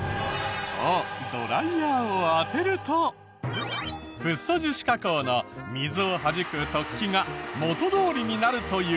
そうドライヤーをあてるとフッ素樹脂加工の水をはじく突起が元どおりになるという。